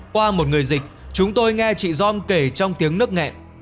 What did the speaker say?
qua một người dịch chúng tôi nghe chị dòm kể trong tiếng nức nghẹn